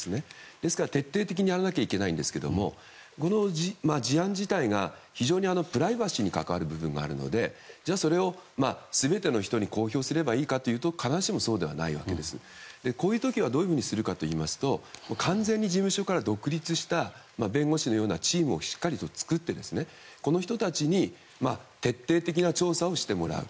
ですから徹底的にやらなければいけないんですがこの事案自体が非常にプライバシーに関わることなのでじゃあ、それを全ての人に公表すればいいかというと必ずしもそうではないわけでこういう時は完全に事務所から独立した弁護士のようなチームをしっかりと作ってこの人たちに徹底的な調査をしてもらう。